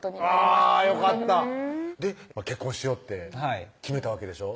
あぁよかった結婚しようと決めたわけでしょ？